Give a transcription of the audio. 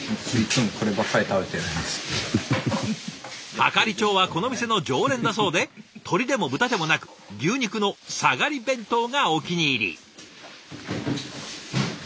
係長はこの店の常連だそうで鶏でも豚でもなく牛肉の「さがり弁当」がお気に入り。